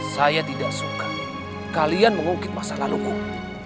saya tidak suka kalian mengungkit masa lalu kum